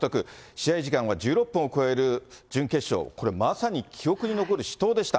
試合時間は１６分を超える準決勝、これ、まさに記憶に残る死闘でした。